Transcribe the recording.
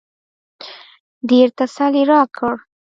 ډېر تسل يې راکړ.